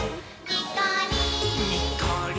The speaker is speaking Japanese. にっこり。